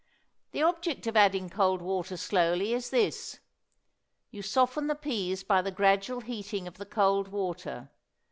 The object of adding cold water slowly is this: You soften the peas by the gradual heating of the cold water.